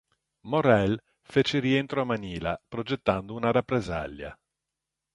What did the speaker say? Morrell fece rientro a Manila, progettando una rappresaglia.